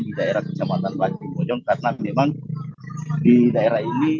di daerah kecamatan waduk bojong karena memang di daerah ini